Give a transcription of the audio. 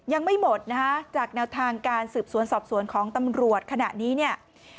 ยังไม่หมดนะฮะจากแนวทางการสืบสวนสอบสวนของตำรวจขณะนี้เนี่ย